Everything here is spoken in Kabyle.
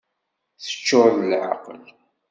Teččur d leεqel!